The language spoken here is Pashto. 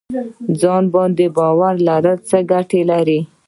ځان باندې باور لرل څه ګټه لري؟